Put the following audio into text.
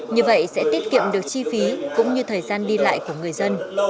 như vậy sẽ tiết kiệm được chi phí cũng như thời gian đi lại của người dân